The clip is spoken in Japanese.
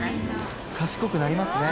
賢くなりますね。